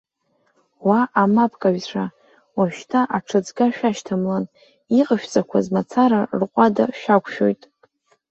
Уа, амапкыҩцәа! Уажәшьҭа аҽыӡга шәашьҭамлан! Иҟашәҵақәаз мацара рҟәада шәақәшәоит.